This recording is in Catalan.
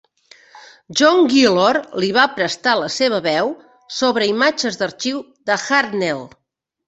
John Guilor li va prestar la seva veu, sobre imatges d'arxiu de Hartnell.